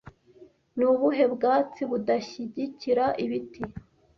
Ni ubuhe bwatsi budashyigikira ibiti